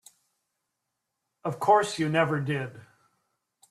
Of course you never did.